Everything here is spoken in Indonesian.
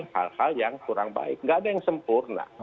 hal hal yang kurang baik nggak ada yang sempurna